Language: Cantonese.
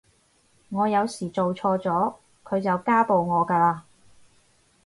我有時做錯咗佢就家暴我㗎喇